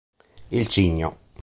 Il cigno